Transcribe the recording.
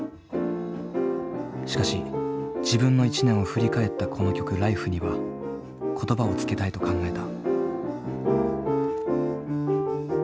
しかし自分の一年を振り返ったこの曲「Ｌｉｆｅ」には言葉をつけたいと考えた。